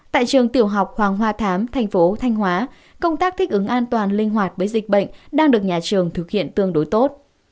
tại trường tiểu học hoàng hoa thám thành phố thanh hóa công tác thích ứng an toàn linh hoạt với dịch bệnh đang được nhà trường thực hiện tương đối tốt